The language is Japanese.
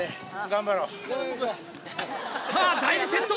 さぁ第２セット